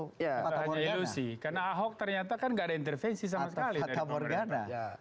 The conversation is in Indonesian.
tidak hanya ilusi karena ahok ternyata kan tidak ada intervensi sama sekali